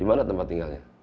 gimana tempat tinggalnya